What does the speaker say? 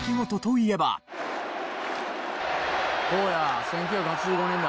そうや１９８５年だ。